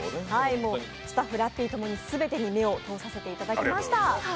スタッフ、ラッピー、ともに全てに目を通させていただきました。